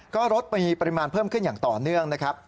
ก็รถมีปริมาณเพิ่มขึ้นอย่างต่อเนื่องนะครับ